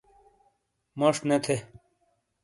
موش نے تھے